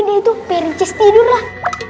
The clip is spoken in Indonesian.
dia itu perintis tidurlah